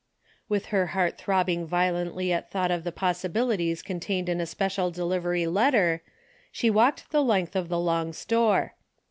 With her heart throbbing violently at thought of the possibilities contained in a special delivery letter, she walked the length of the long store.